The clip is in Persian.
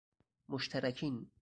مشترکین